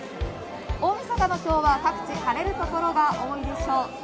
大阪の気温は各地晴れる所が多いでしょう。